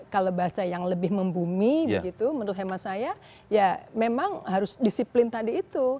kalau bahasa yang lebih membumi begitu menurut hemat saya ya memang harus disiplin tadi itu